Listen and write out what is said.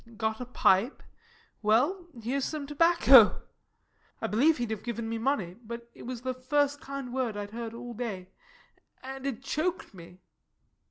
"Got a pipe? Well, here's some tobacco." I believe he'd have given me money. But it was the first kind word I had heard all day, and it choked me.